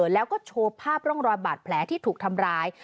แล้วก็โชว์ภาพร่องรอยบาดแผลที่ถูกทำร้าย